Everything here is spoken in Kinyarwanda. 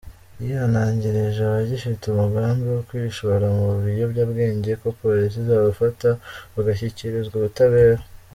Yihanangirije abagifite umugambi wo kwishora mu biyobyabwenge ko Polisi izabafata bagashyikirizwa ubutabera.